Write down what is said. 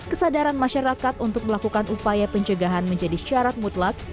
kesadaran masyarakat untuk melakukan upaya pencegahan menjadi syarat mutlak